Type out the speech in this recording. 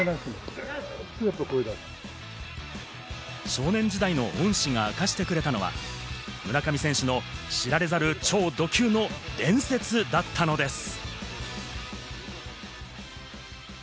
少年時代の恩師が明かしてくれたのは、村上選手の知られざる超ド級の伝説だったのです。